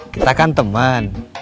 kita kan teman